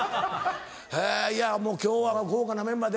えぇいやもう今日は豪華なメンバーで。